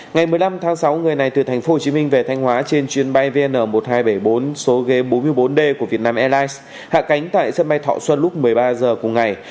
ngày một mươi năm tháng sáu người này từ tp hcm về thanh hóa trên chuyến bay vn một nghìn hai trăm bảy mươi bốn số ghế bốn mươi bốn d của vietnam airlines hạ cánh tại sân bay thọ xuân lúc một mươi ba h cùng ngày